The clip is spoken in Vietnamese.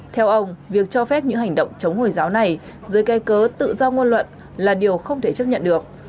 theo ông việc cho phép những hành động chống hồi giáo này dưới cây cớ tự do ngôn luận là điều không thể chấp nhận được